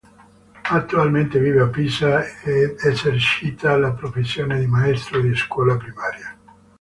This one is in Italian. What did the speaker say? Attualmente vive a Pisa, ed esercita la professione di maestro di scuola primaria.